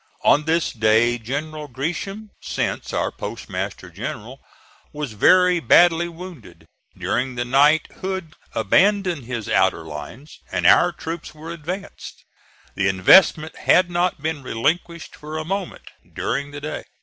On this day General Gresham, since our Postmaster General, was very badly wounded. During the night Hood abandoned his outer lines, and our troops were advanced. The investment had not been relinquished for a moment during the day.